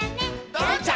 「ドロンチャ！